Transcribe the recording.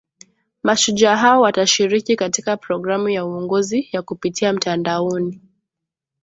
mashujaa hao watashiriki katika programu ya uongozi ya kupitia mtandaoni